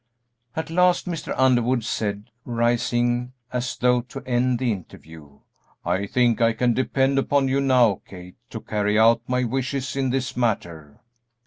At last Mr. Underwood said, rising as though to end the interview, "I think I can depend upon you now, Kate, to carry out my wishes in this matter."